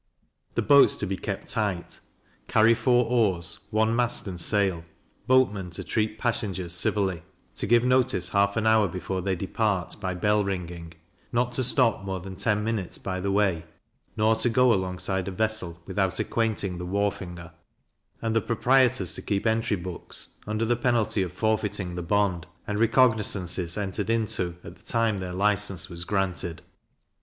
The boats to be kept tight; carry four oars, one mast and sail; boatmen to treat passengers civilly; to give notice half an hour before they depart, by bell ringing; not to stop more than ten minutes by the way, nor to go alongside a vessel, without acquainting the wharfinger; and the proprietors to keep entry books, under the penalty of forfeiting the bond and recognizances entered into at the time their license was granted.